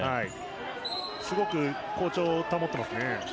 すごく好調を保ってますね。